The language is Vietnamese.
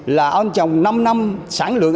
là ông trồng năm năm sản lượng